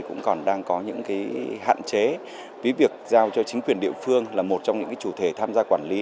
còn đang có những cái hạn chế với việc giao cho chính quyền địa phương là một trong những cái chủ thể tham gia quản lý